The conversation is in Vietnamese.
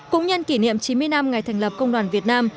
cũng nhân kỷ niệm chín mươi năm ngày thành lập công đoàn việt nam